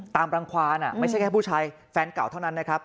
ตามรังความไม่ใช่แค่ผู้ชายแฟนเก่าเท่านั้นนะครับ